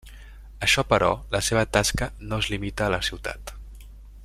Això però, la seva tasca no es limita a la ciutat.